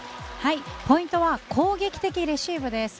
ポイントは攻撃的レシーブです。